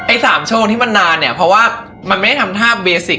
ไอ้สามโชครีนที่มันนานเพราะไม่ได้ทำท่าเบสิก